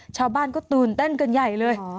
ชาวบ้านก็ตื่นเต้นกันใหญ่เลย